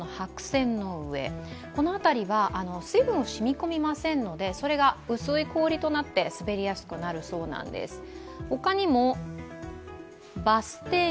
この辺りは水分を染み込みませんので、そこが薄い氷となって滑りやすくなるそうなんです。